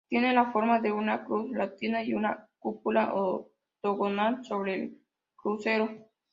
Tiene la forma de una cruz latina y una cúpula octogonal sobre el crucero.